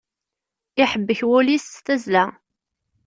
Iḥebbek wul-is s tazla.